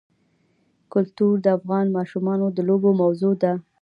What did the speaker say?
کلتور د افغان ماشومانو د لوبو موضوع ده.